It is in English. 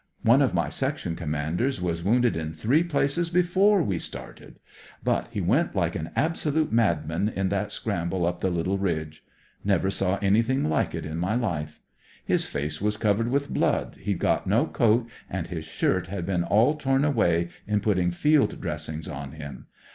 One of my section commanders was wounded in three places before we started ; but he went like an absolute madman in that scramble up the httle ridge. Never saw an3^hing like it in my life. His face was covered with blood, he'd got no coat, and his shirt had been all torn away in putting field dressings on him.